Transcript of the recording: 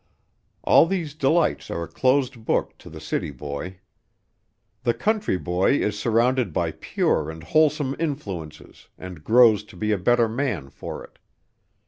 All these delights are a closed book to the city boy. The country boy is surrounded by pure and wholesome influences and grows to be a better man for it.